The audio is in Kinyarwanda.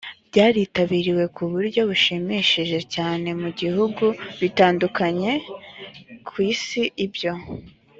byaritabiriwe ku buryo bushimishije cyane mu bihugu bitandukanye ku isi ibyo